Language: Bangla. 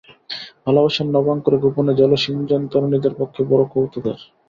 ভালোবাসার নবাঙ্কুরে গোপনে জলসিঞ্চন তরুণীদের পক্ষে বড়ো কৌতুকের।